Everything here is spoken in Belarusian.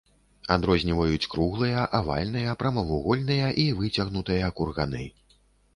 Адрозніваюць круглыя, авальныя, прамавугольныя і выцягнутыя курганы.